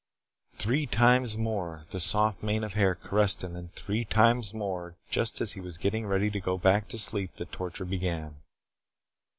Three times more the soft mane of hair caressed him and three times more just as he was getting ready to go back to sleep the torture began.